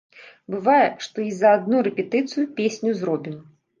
Бывае, што і за адну рэпетыцыю песню зробім.